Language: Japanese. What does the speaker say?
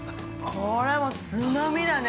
◆これは、つまみだね。